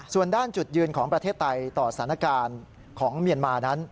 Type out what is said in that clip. ส่วนด้านจุดยืนของประเทศไทยต่อสถานการณ์ของเมียนมานั้น